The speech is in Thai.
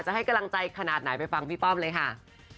ให้กำลังใจขนาดไหนไปฟังพี่ป้อมเลยค่ะ